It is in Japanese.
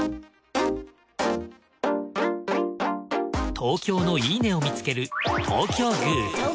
東京のいいね！を見つける。